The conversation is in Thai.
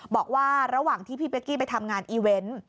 บอกว่าระหว่างที่พี่เป๊กกี้ไปทำงานอีเวนต์